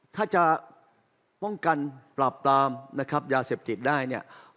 ถ้าจะป้องกันปราบปรามนะครับยาเสพติดได้เนี่ย